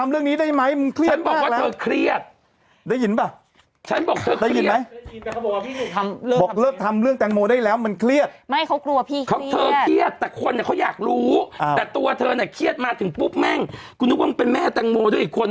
เราไปดูนี่เราไปดูน้องเขาออกกำลังกาย